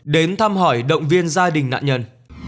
đến thăm hỏi động viên gia đình nạn nhân